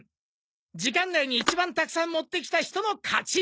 時間内に一番たくさん持ってきた人の勝ち！